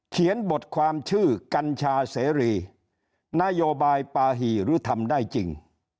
เขียนบทความชื่อกัญชาเสรีนโยบายปาหี่หรือทำได้จริง